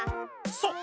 そう。